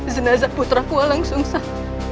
jenazah putraku walang sungsang